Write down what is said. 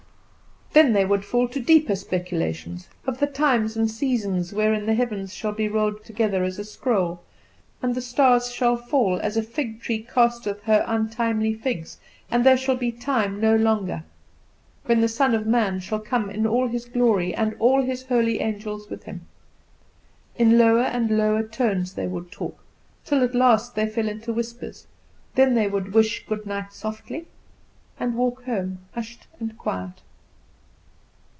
Then they would fall to deeper speculations of the times and seasons wherein the heavens shall be rolled together as a scroll, and the stars shall fall as a fig tree casteth her untimely figs, and there shall be time no longer: "When the Son of man shall come in His glory, and all His holy angels with Him." In lower and lower tones they would talk, till at last they fell into whispers; then they would wish good night softly, and walk home hushed and quiet.